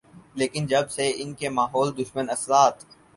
لیکن جب سے ان کے ماحول دشمن اثرات